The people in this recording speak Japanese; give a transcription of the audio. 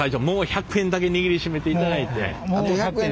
もう１００円だけ握りしめていただいて。